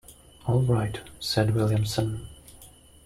"All right," said Williamson.